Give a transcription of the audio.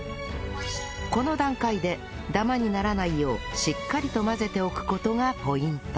この段階でダマにならないようしっかりと混ぜておく事がポイント